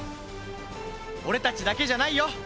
俺たちだけじゃないよ。